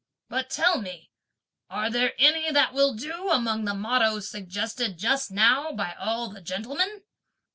But tell me, are there any that will do among the mottoes suggested just now by all the gentlemen?"